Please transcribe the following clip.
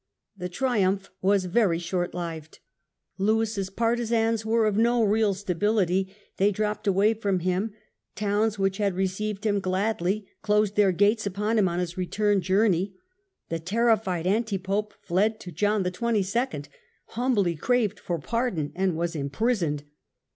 The triumph was very short lived. Lewis's partisans were of no real stability, they dropped away from him ; towns which had received him gladly closed their gates upon him on his return journey ; the terrified anti Pope fled to John XXII., humbly craved for pardon and was im prisoned.